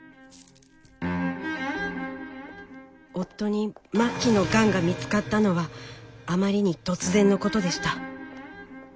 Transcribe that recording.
夫に末期のがんが見つかったのはあまりに突然のことでした。